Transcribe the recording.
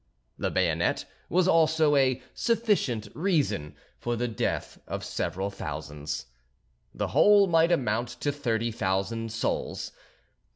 The bayonet was also a sufficient reason for the death of several thousands. The whole might amount to thirty thousand souls.